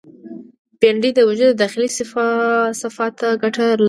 بېنډۍ د وجود داخلي صفا ته ګټه لري